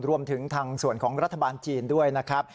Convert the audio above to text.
รวมถึงทางส่วนของรัฐบาลจีนด้วยนะครับ